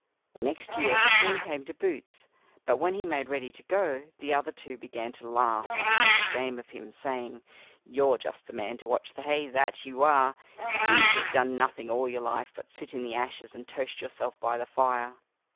Next year the turn came to Boots; but when he made ready to go, the other two began to laugh and to make game of him, saying, "You're just the man to watch the hay, that you are; you, who have done nothing all your life but sit in the ashes and toast yourself by the fire."